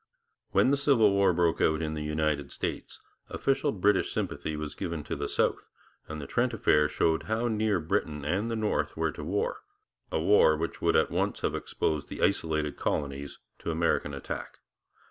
When the Civil War broke out in the United States, official British sympathy was given to the South, and the Trent affair showed how near Britain and the North were to war, a war which would at once have exposed the isolated colonies to American attack.